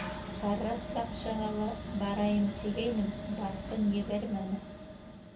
Харрас баҡшыға ла барайым тигәйнем, Барсын ебәрмәне.